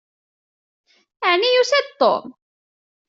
Ɛni yusa-d Tom?